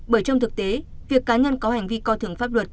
bởi trong thực tế việc cá nhân có hành vi coi thường pháp luật